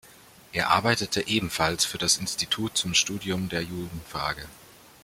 Er arbeitete ebenfalls für das Institut zum Studium der Judenfrage.